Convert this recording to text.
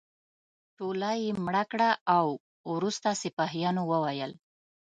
ټوله یې مړه کړه او وروسته سپاهیانو وویل.